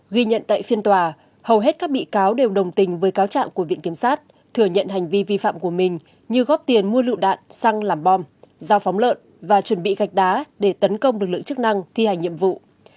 ghi nhận tại phiên tòa hầu hết các bị cáo đều đồng tình với cáo trạng của viện kiểm sát thừa nhận hành vi vi phạm của mình như góp tiền mua lựu đạn sang làm bom giao phóng lợn và chuẩn bị gạch đá để tấn công lực lượng chức năng thi hành nhiệm vụ